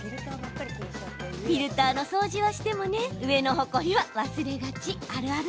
フィルターの掃除はしても上のほこりは忘れがち。